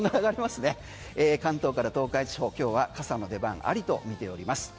関東から東海地方今日は朝の出番ありと見ております。